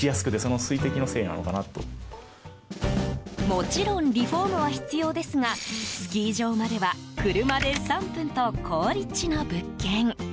もちろんリフォームは必要ですがスキー場までは車で３分と好立地の物件。